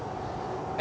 え？